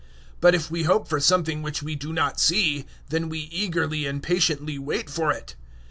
008:025 But if we hope for something which we do not see, then we eagerly and patiently wait for it.